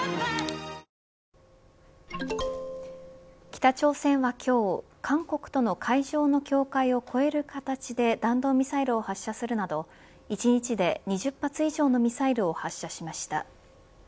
北朝鮮は今日、韓国との海上の境界を越える形で弾道ミサイルを発射するなど１日で２０発以上のミサイルを発射しました。